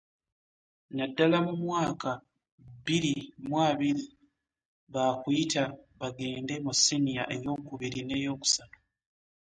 Naddala mu mwaka bbiri mu abiri ba kuyita bagende mu Ssiniya eyookubiri n'eyookusatu.